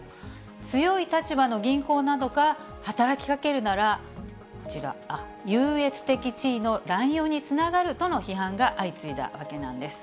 強い立場の銀行などが働きかけるなら、こちら、優越的地位の乱用につながるとの批判が相次いだわけなんです。